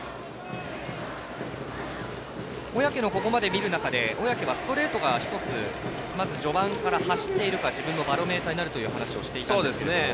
小宅のここまで見る中で、小宅はストレートが１つまず序盤から走っているかが自分のバロメーターになるかという話をしていましたけれども。